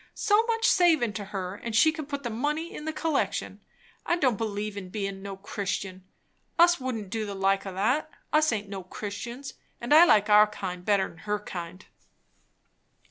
So much savin' to her, and she can put the money in the collection. I don't believe in bein' no Christian! Us wouldn't do the like o' that, and us aint no Christians; and I like our kind better 'n her kind."